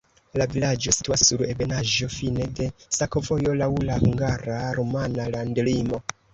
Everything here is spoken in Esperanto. La vilaĝo situas sur ebenaĵo, fine de sakovojo, laŭ la hungara-rumana landlimo.